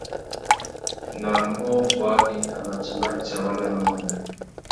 Nà ambōh bwari a mà timba tsawá nà mamana.